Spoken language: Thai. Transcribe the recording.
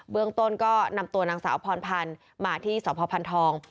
เรื่องต้นก็นำตัวนางสาวพรพันธ์มาที่สพพันธอง